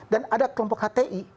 dan ada kelompok hti